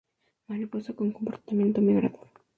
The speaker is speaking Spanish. Mariposa con comportamiento migrador.